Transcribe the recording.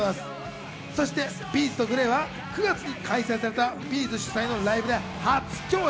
そしてＢ’ｚとＧＬＡＹは９月に開催されたＢ’ｚ主催のライブで初共演。